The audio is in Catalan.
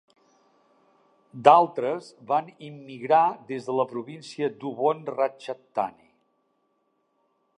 D'altres van immigrar des de la província d'Ubon Ratchathani.